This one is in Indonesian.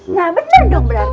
nah bener dong berarti